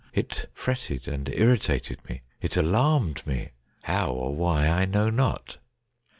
It fretted and irritated me; it alarmed me. How, or why, I know not.